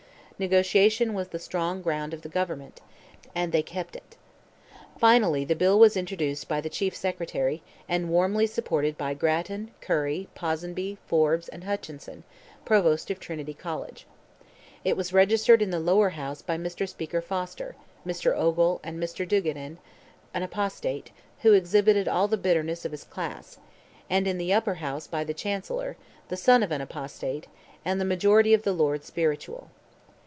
Negotiation was the strong ground of the government, and they kept it. Finally, the bill was introduced by the Chief Secretary, and warmly supported by Grattan, Curran, Ponsonby, Forbes, and Hutchinson, Provost of Trinity College. It was resisted in the Lower House by Mr. Speaker Foster, Mr. Ogle, and Dr. Duigenan, an apostate, who exhibited all the bitterness of his class; and in the Upper House, by the Chancellor, the son of an apostate, and the majority of the lords spiritual.